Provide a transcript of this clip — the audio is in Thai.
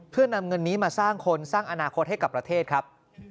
เพื่อนำเงินนี้มาสร้างคนสร้างอนาคตให้กับประเทศครับ